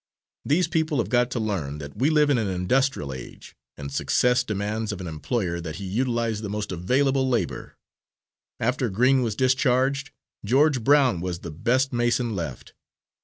These people have got to learn that we live in an industrial age, and success demands of an employer that he utilise the most available labour. After Green was discharged, George Brown was the best mason left.